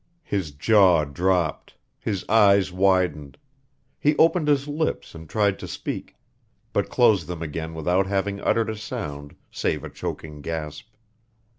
His jaw dropped, his eyes widened. He opened his lips and tried to speak, but closed them again without having uttered a sound save a choking gasp.